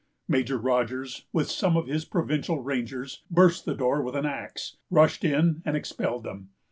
Major Rogers, with some of his provincial rangers, burst the door with an axe, rushed in, and expelled them.